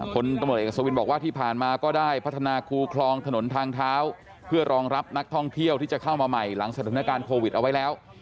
คนตำรวจเอกสวินบอกว่าที่ผ่านมาก็ได้พัฒนาคูคลองถนนทางเท้าเพื่อรองรับนักท่องเที่ยวที่จะเข้ามาใหม่หลังสถานการณ์โควิดเอาไว้แล้ว